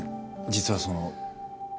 実はその。